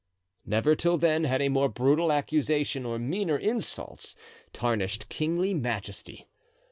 Never till then had a more brutal accusation or meaner insults tarnished kingly majesty.